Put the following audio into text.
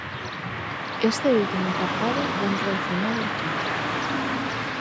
Este último apartado vén relacionado aquí.